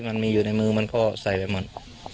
มันน่าจะโดนกลมมีนกลมปลาด้วย